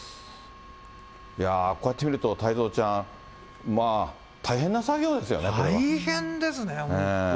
いやぁ、こうやって見ると、太蔵ちゃん、大変な大変ですね、本当。